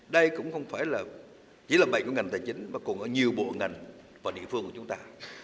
đây cũng không phải chỉ là mệnh của ngành tài chính mà còn ở nhiều bộ ngành và địa phương của chúng ta